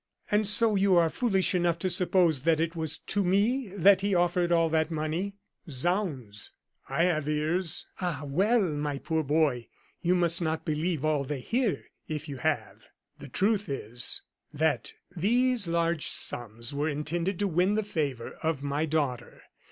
"And so you are foolish enough to suppose that it was to me that he offered all that money?" "Zounds! I have ears." "Ah, well! my poor boy, you must not believe all they hear, if you have. The truth is, that these large sums were intended to win the favor of my daughter.